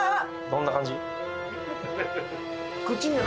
どんな感じ？